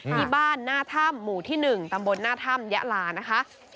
ที่บ้านหน้าถ้ำหมู่ที่๑ตำบลหน้าถ้ำยะลานะคะ